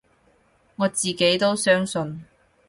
我自己都相信